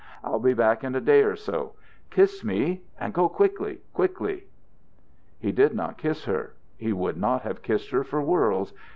I'll be back in a day or so. Kiss me, and go quickly. Quickly!" He did not kiss her. He would not have kissed her for worlds.